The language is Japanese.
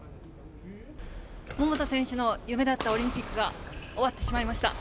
桃田選手の夢だったオリンピックが終わってしまいました。